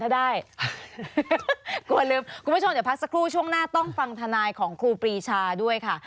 เดี๋ยวพักสักครู่ช่วงหน้าต้องฟังธนายของครูปรีชาด้วยค่ะ